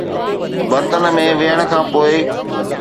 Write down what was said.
برتن ۾ ويهڻ کان پوء